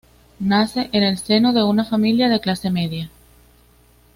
Nace en el seno de una familia de clase media.